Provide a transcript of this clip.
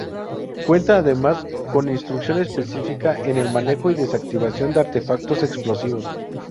Cuentan además con instrucción específica en el manejo y desactivación de artefactos explosivos.